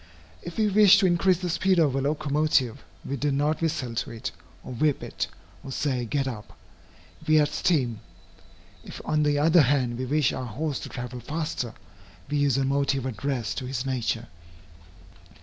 If we wish to increase the speed of a locomotive, we do not whistle to it, or whip it, or say "get up;" we add steam. If on the other hand we wish our horse to travel faster, we use a motive addressed to his nature.